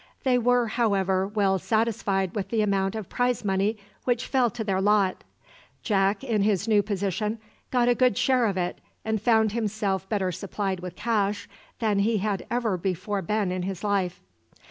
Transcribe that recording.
They were, however, well satisfied with the amount of prize money which fell to their lot. Jack, in his new position, got a good share of it, and found himself better supplied with cash than he had ever before been in his life.